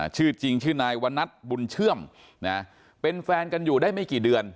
ชื่อจริงชื่อนายวนัทบุญเชื่อมนะเป็นแฟนกันอยู่ได้ไม่กี่เดือน